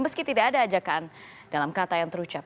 meski tidak ada ajakan dalam kata yang terucap